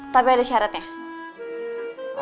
tapi ada syaratnya